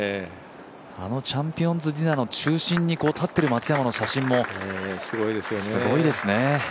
あのチャンピオンズディナーの中心に立っている松山の写真もすごいですね。